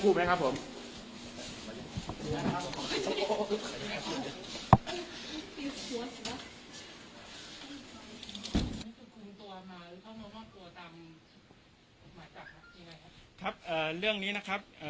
คุมตัวมาหรือเขามานอนตัวตามมาจากครับเรื่องนี้นะครับเอ่อ